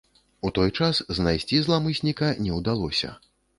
У той час знайсці зламысніка не ўдалося.